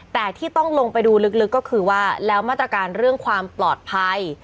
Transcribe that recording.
แต่ที่ต้องลงไปดูลึกก็คือว่าแล้วมาตรการเรื่องความปลอดภัย